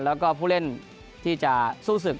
แล้วก็ผู้เล่นที่จะสู้ศึก